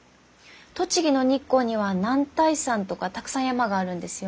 栃木の日光には男体山とかたくさん山があるんですよね。